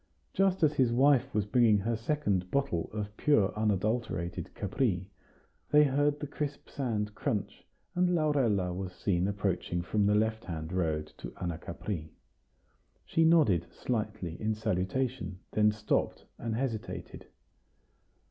Just as his wife was bringing her second bottle of pure unadulterated Capri, they heard the crisp sand crunch, and Laurella was seen approaching from the left hand road to Anacapri. She nodded slightly in salutation; then stopped, and hesitated.